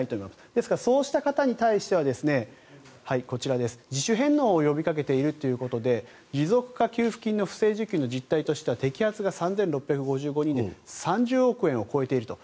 ですからそうした方に対してはこちら、自主返納を呼びかけているということで持続化給付金の不正受給の実態としては摘発が３６５５人で３０億円を超えていると。